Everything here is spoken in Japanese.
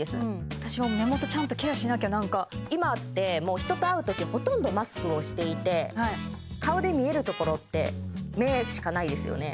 私も目元ちゃんとケアしなきゃなんか今って人と会うときほとんどマスクをしていて顔で見えるところって目しかないですよね